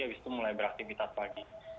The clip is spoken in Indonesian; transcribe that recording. habis itu mulai beraktivitas pagi